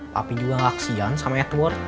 tapi juga gak kesian sama edward